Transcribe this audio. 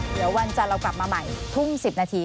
เดี๋ยววันจันทร์เรากลับมาใหม่ทุ่ม๑๐นาที